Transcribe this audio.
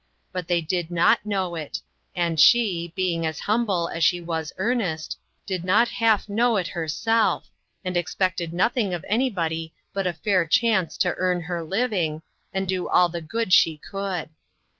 But they did not know it, and she, being as humble as she was earnest, did not half know it herself, and expected nothing of anybody but a fair chance to earn her living, and do all the good she could.